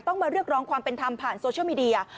มาเรียกร้องความเป็นธรรมผ่านโซเชียลมีเดีย